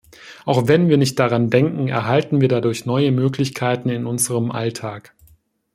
Auch wenn wir nicht daran denken, erhalten wir dadurch neue Möglichkeiten in unserem Alltag.